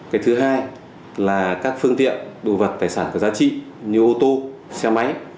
cái thứ hai là các phương tiện đồ vật tài sản có giá trị như ô tô xe máy